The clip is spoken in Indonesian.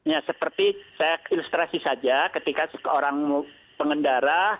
ya seperti saya ilustrasi saja ketika seorang pengendara